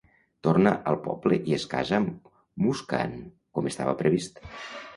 Torna al poble i es casa amb Muskaan, com estava previst.